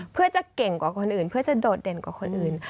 เพื่อจะเก่งกว่าคนอื่นเพื่อจะโดดเด่นกว่าคนอื่น